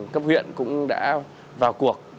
cấp huyện cũng đã vào cuộc